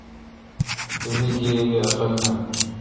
تو مے°گیبی عقل نان۔